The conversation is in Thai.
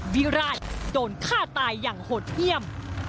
วิราชโดนฆ่าตายอย่างโหดเยี่ยม